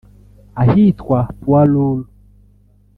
ahitwa Poids lourds